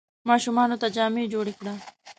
ماشومانو ته جامې جوړي کړه !